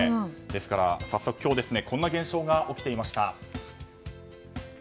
ですから早速今日こんな現象が起きていました。